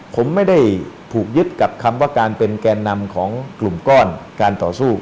ผมไม่ได้ถูกยึดกับคำว่าการเป็นแกนนำของกลุ่มก้อนการต่อสู้